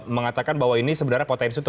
mengatakan bahwa ini sebenarnya potensi untuk